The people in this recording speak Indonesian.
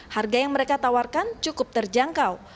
harga yang mereka tawarkan cukup terjangkau